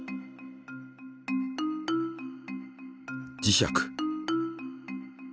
磁石。